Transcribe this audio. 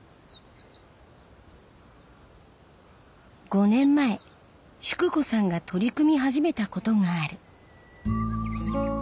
５年前淑子さんが取り組み始めたことがある。